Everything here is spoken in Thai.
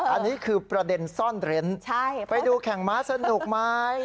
อันนี้คือประเด็นซ่อนเร้นไปดูแข่งม้าสนุกไหม